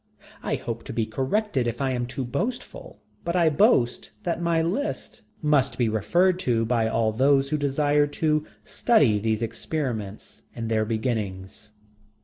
I hope to be corrected if I am too boastful, but I boast that my lists must be referred to by all those who desire to study these experiments in their beginnings.